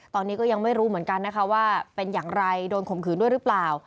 ตอนนี้ก็ยังไม่รู้เหมือนกันนะคะว่าเป็นอย่างไรโดนข่มขืนด้วยหรือเปล่า